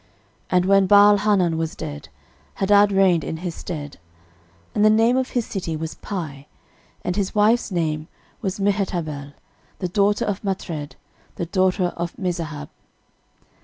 13:001:050 And when Baalhanan was dead, Hadad reigned in his stead: and the name of his city was Pai; and his wife's name was Mehetabel, the daughter of Matred, the daughter of Mezahab.